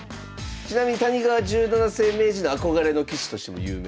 ちなみに谷川十七世名人の憧れの棋士としても有名です。